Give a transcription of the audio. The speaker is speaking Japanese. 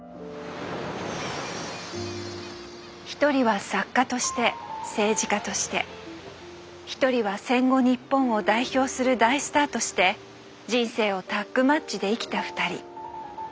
一人は作家として政治家として一人は戦後日本を代表する大スターとして人生をタッグマッチで生きた二人。